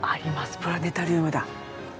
プラネタリウムだ。